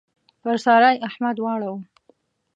پر سارا يې احمد واړاوو.